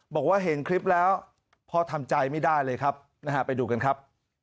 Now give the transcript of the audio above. บอกว่าเห็นคลิปแล้วพ่อทำใจไม่ได้เลยครับนะฮะไปดูกันครับ